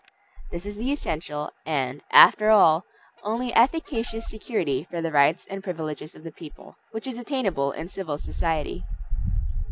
This is the essential, and, after all, only efficacious security for the rights and privileges of the people, which is attainable in civil society.